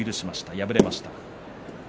敗れました。